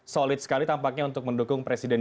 solid sekali tampaknya untuk mendukung presiden